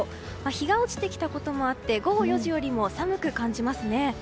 日が落ちてきたこともあって午後４時よりも寒く感じますね。